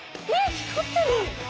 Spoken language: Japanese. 光ってる！